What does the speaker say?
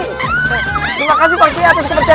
terima kasih pak kiai atas kepercayaan saya ya